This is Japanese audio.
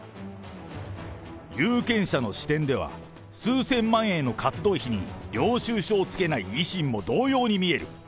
有権者の視点では、数千万円の活動費に領収書をつけない維新も同様に見える。